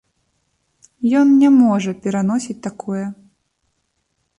Ён не можа пераносіць такое.